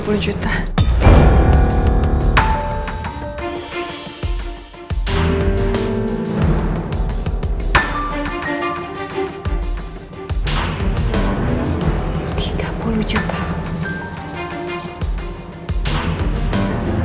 buat apa uang tiga puluh juta elsa